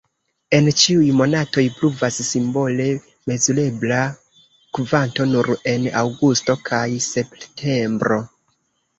En ĉiuj monatoj pluvas simbole, mezurebla kvanto nur en aŭgusto kaj septembro.